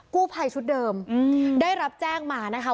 กู้ภัยชุดเดิมได้รับแจ้งมานะคะ